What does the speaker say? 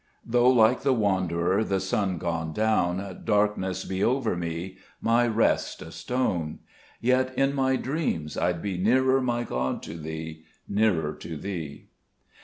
2 Though like the wanderer, The sun gone down, Darkness be over me, My rest a stone ; Yet in my dreams I'd be Nearer, my God, to Thee, Nearer to Thee